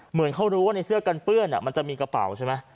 เหมือนเขารู้ว่าในเสื้อกันเปื้อนมันจะมีกระเป๋าใช่ไหม